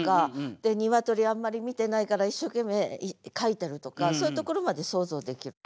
で鶏あんまり見てないから一生懸命描いてるとかそういうところまで想像できる。